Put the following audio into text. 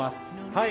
はい